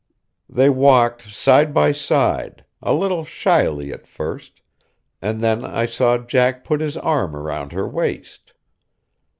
They walked side by side, a little shyly at first, and then I saw Jack put his arm round her waist.